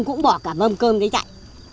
cũng bỏ cả bơm cơm đi chạy